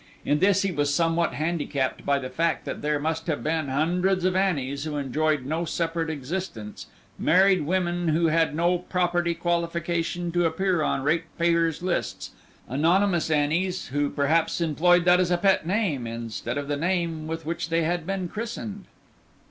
In this he was somewhat handicapped by the fact that there must have been hundreds of Annies who enjoyed no separate existence, married women who had no property qualification to appear on ratepayers' lists; anonymous Annies, who perhaps employed that as a pet name, instead of the name with which they had been christened.